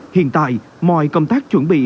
hiện tại mọi công tác chuẩn bị